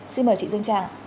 xin mời chị dương trang